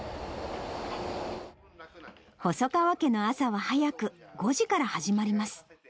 細川家の朝は早く、５時から始まります。